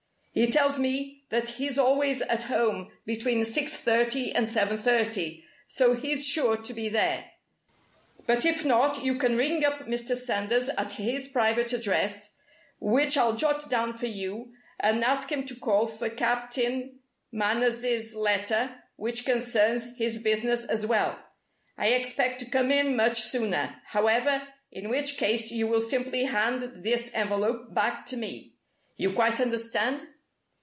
He tells me that he's always at home between six thirty and seven thirty, so he's sure to be there. But if not, you can ring up Mr. Sanders at his private address, which I'll jot down for you, and ask him to call for Captain Manners' letter which concerns his business as well. I expect to come in much sooner, however in which case you will simply hand this envelope back to me. You quite understand?"